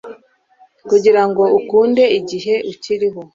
Kugirango ukunde igihe akiriho